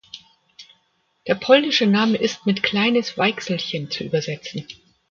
Der polnische Name ist mit "kleines Weichselchen" zu übersetzen.